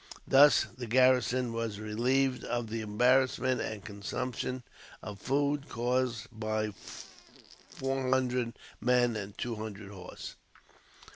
Thus the garrison were relieved of the embarrassment, and consumption of food, caused by four hundred men and two hundred horse.